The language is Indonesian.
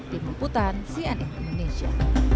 tim liputan cnn indonesia